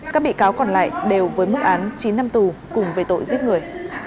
các bị cáo còn lại đều với mức án chín năm tù cùng về tội giết người